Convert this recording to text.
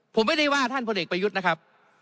ผมไม่ได้ว่าท่านพลเอกประยุทธ์นะครับ